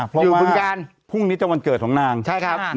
อยู่บึงการพรุ่งนี้จะวันเกิดของนางใช่ครับ